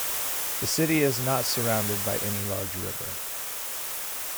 The city is not surrounded by any large river.